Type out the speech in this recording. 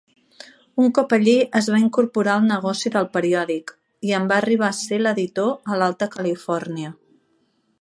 Un cop allí es va incorporar al negoci del periòdic, i en va arribar a ser l'editor a l'Alta Califòrnia.